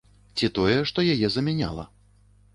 Ці тое, што яе замяняла.